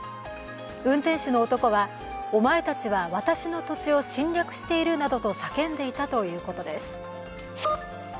運転手の男はお前たちは私の土地を侵略しているなどと叫んでいたということです。